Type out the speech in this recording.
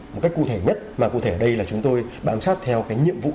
một cách cụ thể nhất mà cụ thể ở đây là chúng tôi bám sát theo cái nhiệm vụ